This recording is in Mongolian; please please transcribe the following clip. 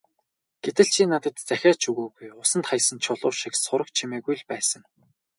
Гэтэл чи надад захиа ч өгөөгүй, усанд хаясан чулуу шиг сураг чимээгүй л байсан.